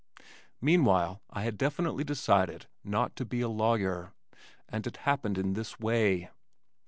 Meanwhile I had definitely decided not to be a lawyer, and it happened in this way.